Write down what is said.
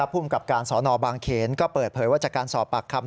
ภูมิกับการสอนอบางเขนก็เปิดเผยว่าจากการสอบปากคำ